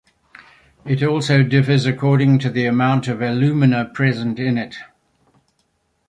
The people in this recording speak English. It also differs according to the amount of alumina present in it.